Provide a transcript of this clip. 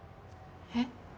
えっ？